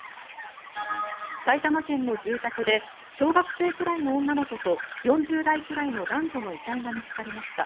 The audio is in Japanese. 埼玉県の住宅で小学生くらいの女の子と４０代くらいの男女の遺体が見つかりました。